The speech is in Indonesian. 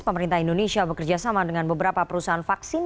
pemerintah indonesia bekerjasama dengan beberapa perusahaan vaksin